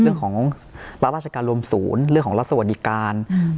เรื่องของรับราชการรวมศูนย์เรื่องของรัฐสวัสดิการอืม